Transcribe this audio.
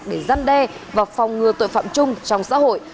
để giăn đe và phòng ngừa tội phạm chung trong xã hội